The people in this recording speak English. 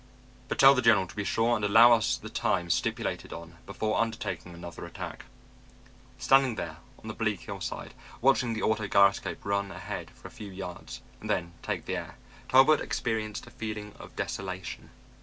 "But tell the General to be sure and allow us the time stipulated on before undertaking another attack." Standing there on the bleak hillside, watching the auto gyroscope run ahead for a few yards and then take the air, Talbot experienced a feeling of desolation.